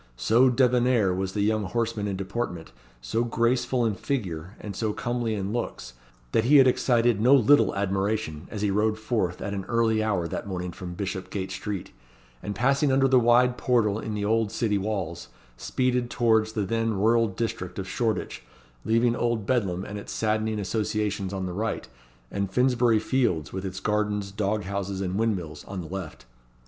So débonnair was the young horseman in deportment, so graceful in figure, and so comely in looks, that he had excited no little admiration as he rode forth at an early hour that morning from Bishopgate Street, and passing under the wide portal in the old city walls, speeded towards the then rural district of Shoreditch, leaving Old Bedlam and its saddening associations on the right, and Finsbury Fields, with its gardens, dog houses, and windmills, on the left.